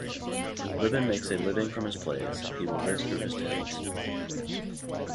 Libin makes his living from his plays; he will live through his tales.